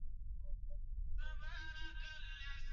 benki kuu ya tanzania ina menejimenti ya kuiongoza